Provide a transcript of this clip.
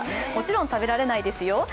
もちろん食べられないですよ。